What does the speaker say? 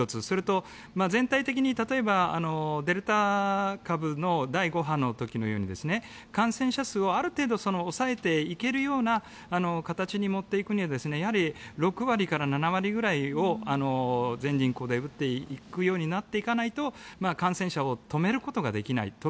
それと全体的に、例えばデルタ株の第５波の時のように感染者数をある程度抑えていけるような形に持っていくには６割から７割ぐらいを全人口で打っていくようになっていかないと感染者を止めることができない。